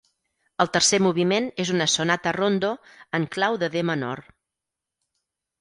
El tercer moviment és una sonata-rondo en clau de D menor.